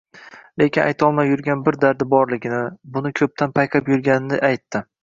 lekin aytolmay yurgan bir dardi borligini, buni ko'pdan payqab yurganini aytdi.